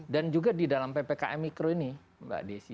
dan juga di dalam ppkm mikro ini mbak desi